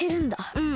うん。